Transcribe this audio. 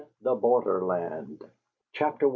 THE BORDERLAND CHAPTER I.